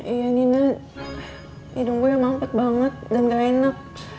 iya nina hidung gue mampet banget dan nggak enak